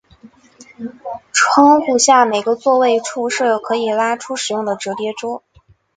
窗户下每个座位处设有可以拉出使用的折叠桌。